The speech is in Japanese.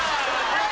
はい。